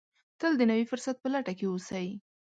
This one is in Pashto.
تل د نوي فرصت په لټه کې اوسئ.